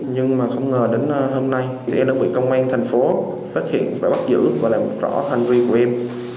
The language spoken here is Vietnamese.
nhưng mà không ngờ đến hôm nay sẽ đã bị công an thành phố phát hiện và bắt giữ và làm rõ hành vi của em